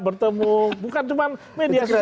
bertemu bukan cuma media sosial